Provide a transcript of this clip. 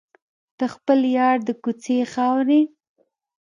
د خپل یار د کوڅې خاورې.